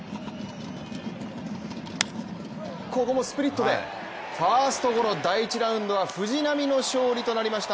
ここもスプリットでファーストゴロ第１ラウンドは藤浪の勝利となりました。